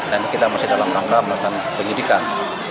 dan kita masih dalam rangka melakukan penyelidikan